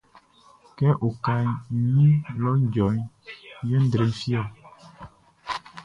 Kɛ okaʼn i nun lɔʼn djɔ yɛ nʼdre fi ɔ.